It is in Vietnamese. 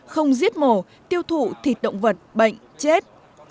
không giết mổ tiêu thụ thịt động vật bệnh chết